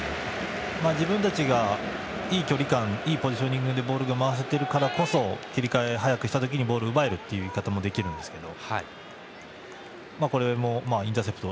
自分たちがいい距離感いいポジショニングでボールを回せているからこそ切り替えを早くした時にボールを奪えるという話でもあるんですけど。